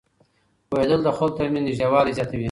پوهېدل د خلکو ترمنځ نږدېوالی زیاتوي.